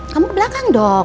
kamu ke belakang dong